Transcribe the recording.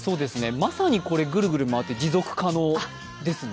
まさにぐるぐる回って持続可能ですね。